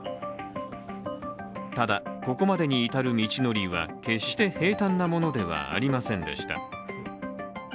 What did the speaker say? ただ、ここまでに至る道のりは決して平たんなものではありませんでした。